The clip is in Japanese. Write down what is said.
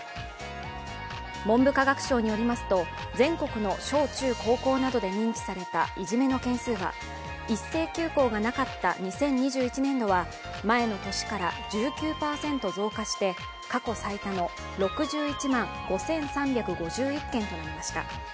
文部科学省によりますと全国の小中高校などで認知されたいじめの件数は一斉休校がなかった２０２１年度は前の年から１９％増加して過去最多の６１万５３５１件となりました。